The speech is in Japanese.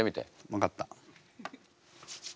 分かった。